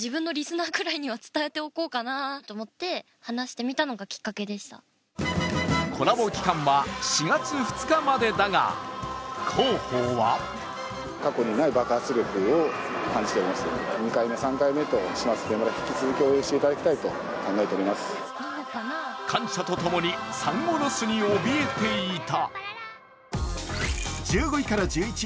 まずはこの反響についてコラボ期間は４月２日までだが、広報は感謝とともに、サンゴロスにおびえていた。